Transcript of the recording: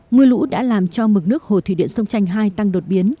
mưa lũ đã làm cho mực nước hồ thủy điện sông tranh hai tăng đột biến